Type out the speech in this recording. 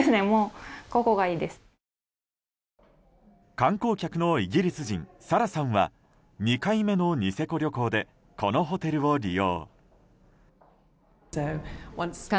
観光客のイギリス人サラさんは２回目のニセコ旅行でこのホテルを利用。